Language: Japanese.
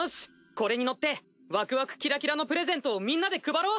これに乗ってワクワクキラキラのプレゼントをみんなで配ろう！